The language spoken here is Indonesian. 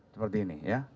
seperti ini ya